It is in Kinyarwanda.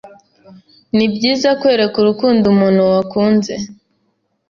Nibyiza kwereka urukundo umuntu wakunze